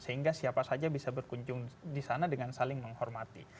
sehingga siapa saja bisa berkunjung di sana dengan saling menghormati